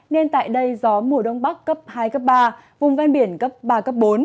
nên tại đây gió mùa đông bắc cấp hai cấp ba vùng ven biển cấp ba cấp bốn